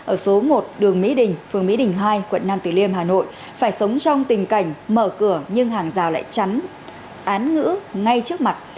ở số một đường mỹ đình phường mỹ đình hai quận nam tử liêm hà nội phải sống trong tình cảnh mở cửa nhưng hàng rào lại chắn án ngữ ngay trước mặt